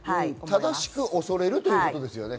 正しく恐れるということですよね。